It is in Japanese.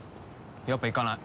やっぱ行かない。